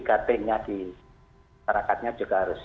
masyarakatnya juga harus